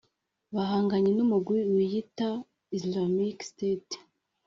bahanganye n'umugwi wiyita Islamic State